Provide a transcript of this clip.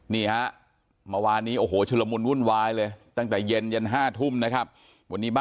นี่ฮะเมื่อวานนี้โอ้โหชุลมุนวุ่นวายเลยตั้งแต่เย็นยัน๕ทุ่มนะครับ